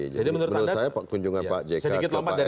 jadi menurut saya kunjungan pak jk ke pak sb